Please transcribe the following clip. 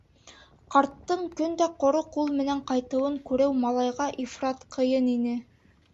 Ҡарттың көн дә ҡоро ҡул менән ҡайтыуын күреү малайға ифрат ҡыйын ине.